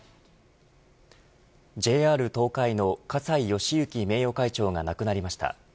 ＪＲ東海の葛西敬之名誉会長が亡くなりました。